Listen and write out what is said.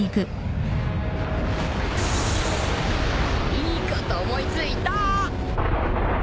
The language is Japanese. いいこと思い付いた！